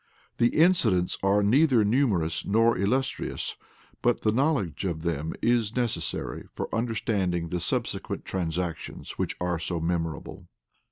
The incidents are neither numerous nor illustrious; but the knowledge of them is necessary for understanding the subsequent transactions which are so memorable.